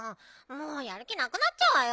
もうやる気なくなっちゃうわよ。